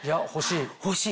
欲しい。